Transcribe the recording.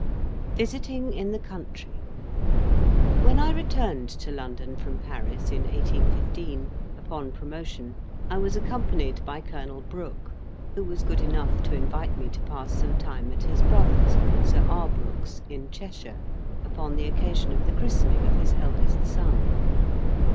VISITING IN THE COUNTRY When I returned to London from Paris, in 1815, upon promotion, I was accompanied by Colonel Brooke, who was good enough to invite me to pass some time at his brother's, Sir R. Brookes, in Cheshire, upon the occasion of the christening of his eldest son.